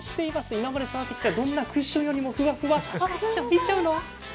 今まで触ってきたどんなクッションよりもふわふわあっ、いっちゃうの？